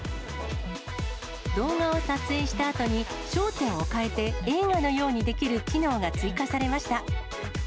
動画を撮影したあとに、焦点を変えて映画のようにできる機能が追加されました。